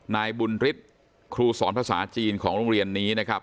นายบุญฤทธิ์ครูสอนภาษาจีนของโรงเรียนนี้นะครับ